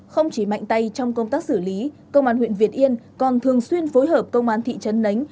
không chỉ mạnh tay trong công tác xử lý công an huyện việt yên còn thường xuyên phối hợp công an thị trấn nánh